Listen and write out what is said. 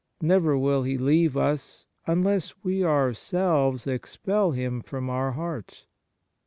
Never will He leave us unless we ourselves expel Him from our hearts.